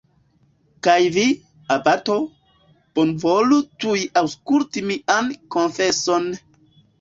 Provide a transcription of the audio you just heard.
Kaj vi, abato, bonvolu tuj aŭskulti mian konfeson!